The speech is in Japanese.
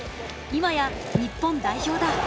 今や日本代表だ。